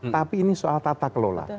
tapi ini soal tata kelola